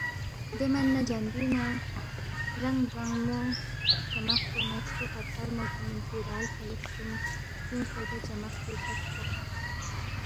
دے من نہ جندِنگ نہ رنگ برمو چمق پو نہ چھُو خرخرمو سی مِنفی رال فلُو خسُوم فیُونگسے دے چمق پیکھہ سترقس